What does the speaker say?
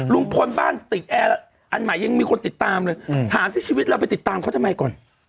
ลุงพลบ้านติดแอร์อันใหม่ยังมีคนติดตามเลยถามสิชีวิตเราไปติดตามเขาทำไมก่อน